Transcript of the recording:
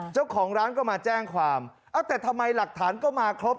เจ้าของร้านก็มาแจ้งความเอ้าแต่ทำไมหลักฐานก็มาครบ